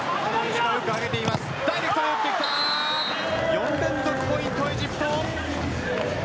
４連続ポイント、エジプト。